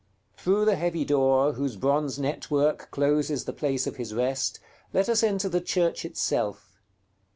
Through the heavy door whose bronze network closes the place of his rest, let us enter the church itself.